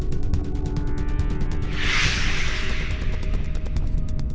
kalau kau sendirian pasti banyak pelamun ya